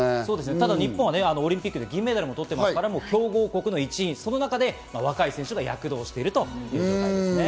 ただ日本はオリンピックで銀メダルも取っているので強豪国の一員、その中で若い選手が躍動しているということですね。